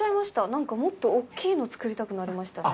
なんか、もっと大きいの作りたくなりましたね。